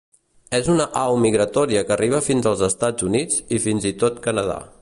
És una au migratòria que arriba fins als Estats Units i fins i tot Canadà.